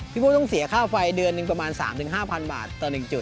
ผู้ต้องเสียค่าไฟเดือนหนึ่งประมาณ๓๕๐๐บาทต่อ๑จุด